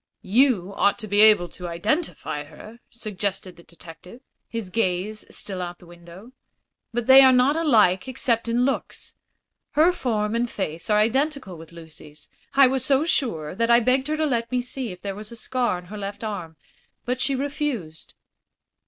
"You ought to be able to identify her," suggested the detective, his gaze still out of the window. "But they are not alike except in looks. Her form and face are identical with Lucy's. I was so sure that I begged her to let me see if there was a scar on her left arm; but she refused."